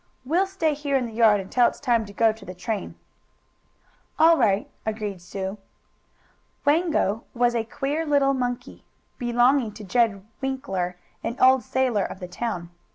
"We'll stay here in the yard until it's time to go to the train." "All right," agreed Sue. Wango was a queer little monkey, belonging to Jed Winkler, an old sailor of the town.